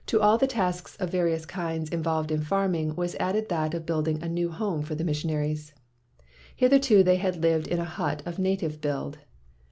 To all the tasks of various kinds involved in farming was added that of building a 173 WHITE MAN OF WORK new home for the missionaries. Hitherto they had lived in a hut of native build.